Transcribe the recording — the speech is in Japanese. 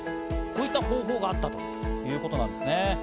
こういった方法があったということなんですね。